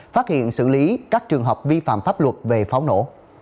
phát hiện xử lý các trường hợp vi phạm pháp luật về pháo nổ